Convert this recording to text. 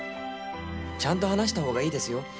ちゃんと話した方がいいですよ